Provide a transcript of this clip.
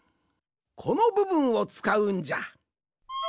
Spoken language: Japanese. このぶぶんをつかうんじゃ。